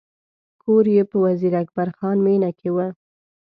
کور یې په وزیر اکبر خان مېنه کې و.